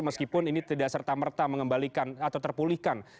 meskipun ini tidak serta merta mengembalikan atau terpulihkan